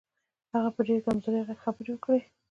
هغه په ډېر کمزوري غږ خبرې وکړې.